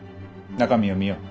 中身を見よう。